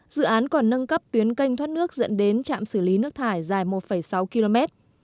dự án còn nâng cấp tuyến canh thoát nước dẫn đến trạm xử lý nước thải dài một sáu km